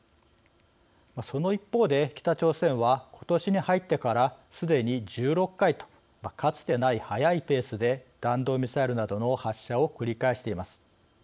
その一方で、北朝鮮はことしに入ってからすでに１６回とかつてないはやいペースで弾道ミサイルなどの発射を繰り返しています。